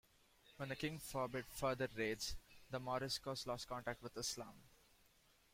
When the king forbid further raids, the Moriscos lost contact with Islam.